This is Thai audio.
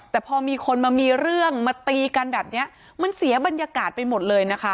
แต่พอมีคนมามีเรื่องมาตีกันแบบนี้มันเสียบรรยากาศไปหมดเลยนะคะ